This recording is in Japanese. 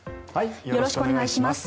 よろしくお願いします。